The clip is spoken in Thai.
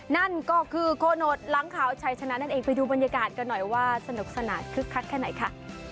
นั่นก็คือโคโนตหลังขาวชัยชนะนั่นเองไปดูบรรยากาศกันหน่อยว่าสนุกสนานคึกคักแค่ไหนค่ะ